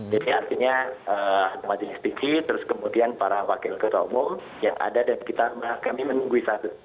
jadi artinya majelis tinggi terus kemudian para wakil ketua umum yang ada dan kita kami menunggu satu